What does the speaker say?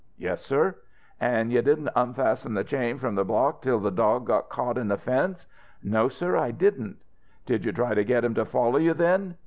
"Yes, sir," "An' you didn't unfasten the chain from the block till the dog got caught in the fence?" "No, sir, I didn't." "Did you try to get him to follow you then?"